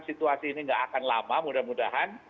situasi ini tidak akan lama mudah mudahan